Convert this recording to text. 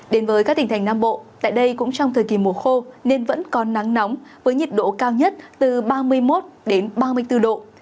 đến với các tỉnh thành nam bộ tại đây cũng trong thời kỳ mùa khô nên vẫn có nắng nóng với nhiệt độ cao nhất từ ba mươi một ba mươi bốn độ